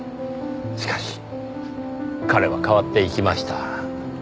しかし彼は変わっていきました。